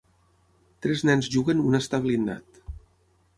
Tres nens juguen un està blindat